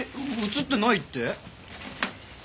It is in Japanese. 映ってないって？